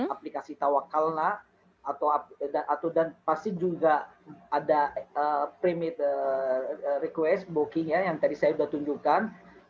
aplikasi tawakalna atau dan pasti juga ada primit request booking ya yang tadi saya sudah tunjukkan